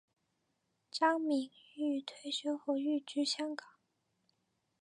张敏钰退休后寓居香港。